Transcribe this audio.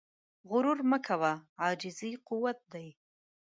مه غرور کوه، عاجزي قوت دی.